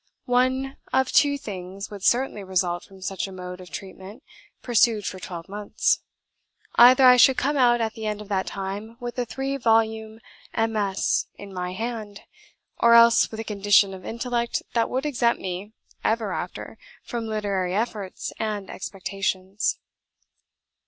One of two things would certainly result from such a mode of treatment pursued for twelve months; either I should come out at the end of that time with a three volume MS. in my hand, or else with a condition of intellect that would exempt me ever after from literary efforts and expectations."